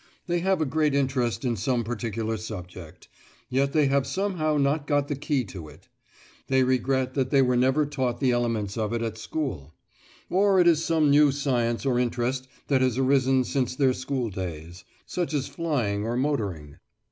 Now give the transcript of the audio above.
They have a great interest in some particular subject, yet they have somehow not got the key to it. They regret that they were never taught the elements of it at school; or it is some new science or interest that has arisen since their schooldays, such as flying or motoring.